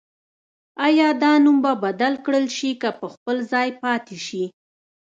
آیا دا نوم به بدل کړل شي که په خپل ځای پاتې شي؟